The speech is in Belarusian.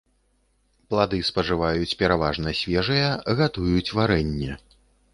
Плады спажываюць пераважна свежыя, гатуюць варэнне.